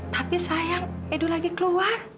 tapi sayang edu lagi keluar